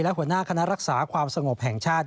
และหัวหน้าคณะรักษาความสงบแห่งชาติ